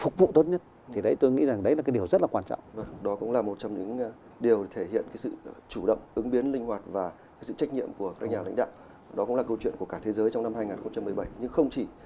của cả thế giới trong năm hai nghìn một mươi bảy nhưng không chỉ